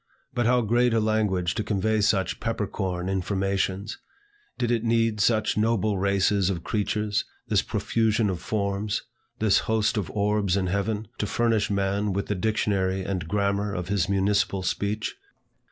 But how great a language to convey such pepper corn informations! Did it need such noble races of creatures, this profusion of forms, this host of orbs in heaven, to furnish man with the dictionary and grammar of his municipal speech?